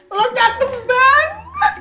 lo cakep banget